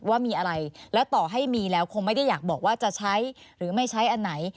ว่ามีอะไรแล้วต่อให้มีแล้วคงไม่ได้อยากบอกว่าจะใช้หรือไม่ใช้อันไหน